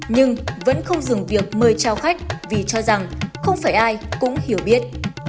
nhưng vẫn không dừng việc mời trao khách vì cho rằng không phải ai cũng hiểu biết